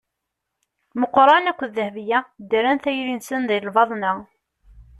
Muqran akked Dehbiya ddren tayri-nsen di lbaḍna.